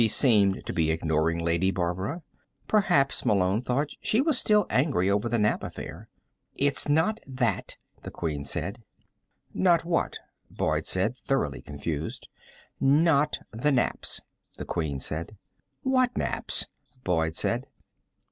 She seemed to be ignoring Lady Barbara. Perhaps, Malone thought, she was still angry over the nap affair. "It's not that," the Queen said. "Not what?" Boyd said, thoroughly confused. "Not the naps," the Queen said. "What naps?" Boyd said.